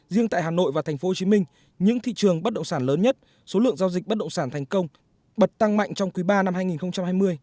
riêng tại hà nội và tp hcm những thị trường bất động sản lớn nhất số lượng giao dịch bất động sản thành công bật tăng mạnh trong quý ba năm hai nghìn hai mươi